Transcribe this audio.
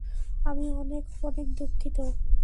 আমি অনেক অনেক দুঃখিত।